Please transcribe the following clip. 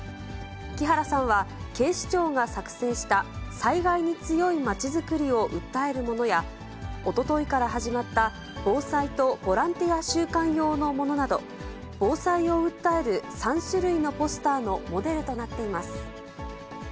木原さんは警視庁が作成した、災害に強い街づくりを訴えるものや、おとといから始まった防災とボランティア週間用のものなど、防災を訴える３種類のポスターのモデルとなっています。